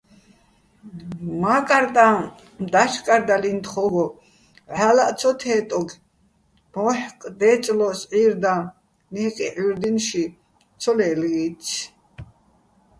მა́კარტაჼ და́ჩკარდალიჼ თხო́გო, ვჵალლაჸ ცო თე́ტოგე̆, მო́ჰ̦̦კ დე́წლო́ს ჵირდაჼ, ნე́კი ჵირდუ́ჲნში ცო ლე́ლგიცი̆.